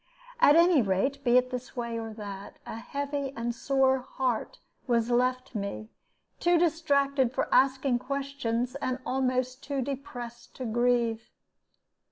At any rate, be it this way or that, a heavy and sore heart was left me, too distracted for asking questions, and almost too depressed to grieve.